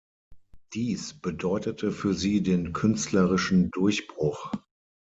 Dies bedeutete für sie den künstlerischen Durchbruch.